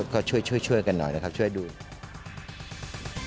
ก็ช่วยช่วยกันหน่อยนะครับช่วยดู